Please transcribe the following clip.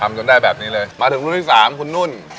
จนได้แบบนี้เลยมาถึงรุ่นที่สามคุณนุ่น